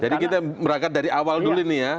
jadi kita merangkat dari awal dulu ini ya